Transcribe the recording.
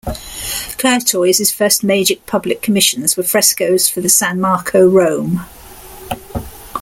Courtois' first major public commissions were frescoes for the San Marco, Rome.